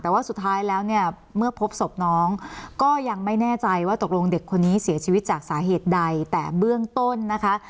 แต่ว่าสุดท้ายแล้วเนี่ยเมื่อพบศพน้องก็ยังไม่แน่ใจว่าตกลงเด็กคนนี้เสียชีวิตจากสาเหตุใดแต่เบื้องต้นนะคะ